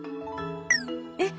えっ！